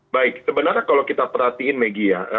baik sebenarnya kalau kita perhatiin megi ya